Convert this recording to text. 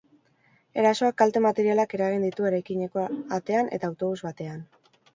Erasoak kalte materialak eragin ditu eraikineko atean eta autobus batean.